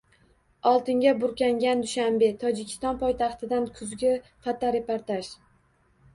Oltinga burkangan Dushanbe: Tojikiston poytaxtidan kuzgi fotoreportaj